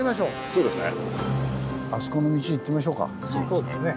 そうですね。